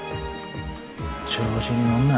調子に乗んな。